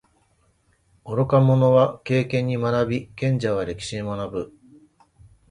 愚か者は経験に学び，賢者は歴史に学ぶ。